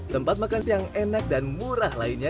tempat makan yang enak dan murah lainnya